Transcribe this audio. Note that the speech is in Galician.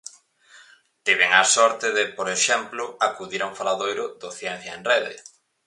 Tiven a sorte de, por exemplo, acudir a un faladoiro do Ciencia En Rede.